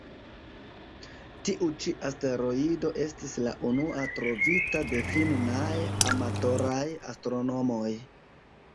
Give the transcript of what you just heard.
Tiu-ĉi asteroido estis la unua trovita de finnaj amatoraj astronomoj.